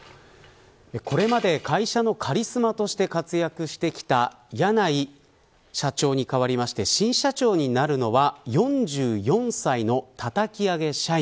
これまで会社のカリスマとして活躍してきた柳井社長に代わりまして新社長になるのは４４歳のたたき上げ社員。